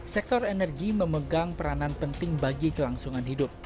sektor energi memegang peranan penting bagi kelangsungan hidup